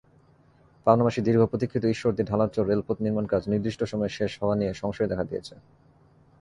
পাবনাবাসীর দীর্ঘপ্রতীক্ষিত ঈশ্বরদী-ঢালারচর রেলপথ নির্মাণকাজ নির্দিষ্ট সময়ে শেষ হওয়া নিয়ে সংশয় দেখা দিয়েছে।